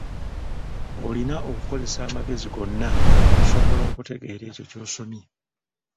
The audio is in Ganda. Olina okukozesa amagezi gonna okusobola okutegeera ekyo ky’osomye.